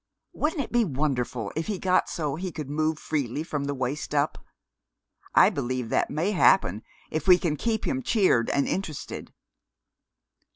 Wouldn't it be wonderful if he got so he could move freely from the waist up? I believe that may happen if we can keep him cheered and interested."